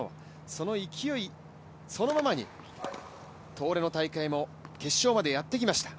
その勢いそのままに東レの大会も決勝までやってきました。